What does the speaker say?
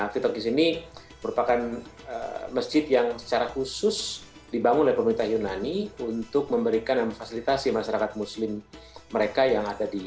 fitologis ini merupakan masjid yang secara khusus dibangun oleh pemerintah yunani untuk memberikan dan memfasilitasi masyarakat muslim mereka yang ada di